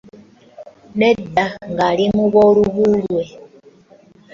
Naddala ng'ali mu b'olubulwe .